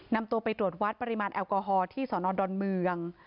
นำตัวไปตรวจวัดปริมาณแอลกอฮอล์ที่สนดอนเมือง